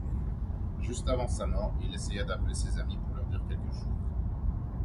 Juste avant sa mort, il essaya d'appeler ses amis pour leur dire quelque chose...